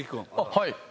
はい。